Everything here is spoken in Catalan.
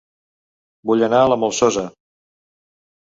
Vull anar a La Molsosa